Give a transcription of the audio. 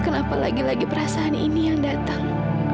kenapa lagi lagi perasaan ini yang datang